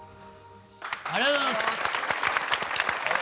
ありがとうございます。